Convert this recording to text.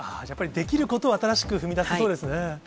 やっぱりできることを新しく踏み出せそうですね。